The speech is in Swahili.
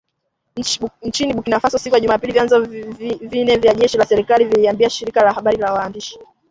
Nchini Burkina Faso siku ya Jumapili vyanzo vine vya jeshi la serikali vililiambia shirika la habari la wandishi .